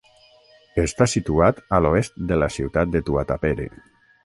Està situat a l'oest de la ciutat de Tuatapere.